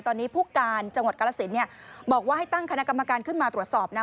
ตอนนี้ผู้การจังหวัดกาลสินบอกว่าให้ตั้งคณะกรรมการขึ้นมาตรวจสอบนะ